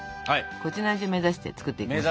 こっちの味を目指して作っていきましょう。